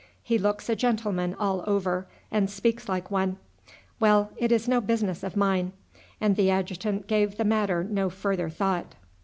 He looks a gentleman all over, and speaks like one. Well, it is no business of mine;" and the adjutant gave the matter no further thought.